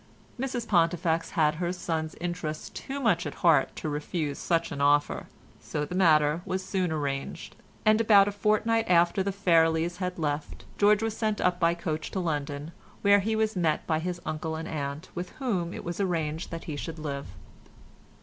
Mrs Pontifex had her son's interest too much at heart to refuse such an offer, so the matter was soon arranged, and about a fortnight after the Fairlies had left, George was sent up by coach to London, where he was met by his uncle and aunt, with whom it was arranged that he should live.